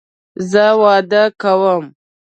زه واده کوم